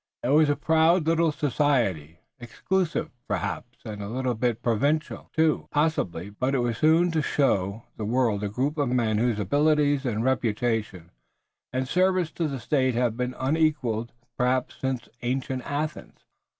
It was a proud little society, exclusive perhaps, and a little bit provincial too, possibly, but it was soon to show to the world a group of men whose abilities and reputation and service to the state have been unequaled, perhaps, since ancient Athens.